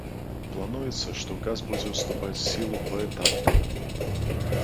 Плануецца, што ўказ будзе ўступаць у сілу паэтапна.